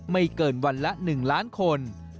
ไม่เกินวันละ๑ล้านคน